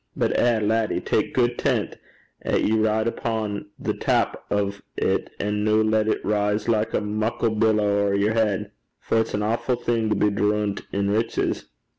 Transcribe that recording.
But eh, laddie! tak guid tent 'at ye ride upo' the tap o' 't, an' no lat it rise like a muckle jaw (billow) ower yer heid; for it's an awfu' thing to be droont in riches.'